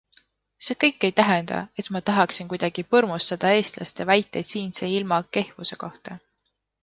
See kõik ei tähenda, et ma tahaksin kuidagi põrmustada eestlaste väiteid siinse ilma kehvuse kohta.